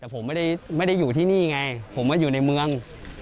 แต่ผมไม่ได้อยู่ที่นี่ไงผมมาอยู่ในเมือง